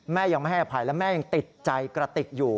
แม่ยังไม่ให้อภัยและแม่ยังติดใจกระติกอยู่